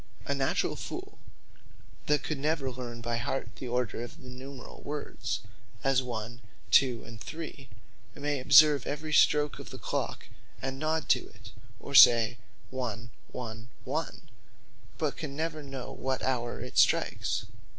A naturall foole that could never learn by heart the order of numerall words, as One, Two, and Three, may observe every stroak of the Clock, and nod to it, or say one, one, one; but can never know what houre it strikes.